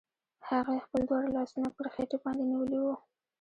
هغې خپل دواړه لاسونه پر خېټې باندې نيولي وو.